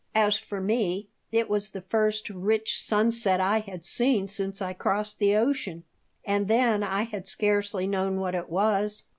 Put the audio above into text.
As for me, it was the first rich sunset I had seen since I crossed the ocean, and then I had scarcely known what it was.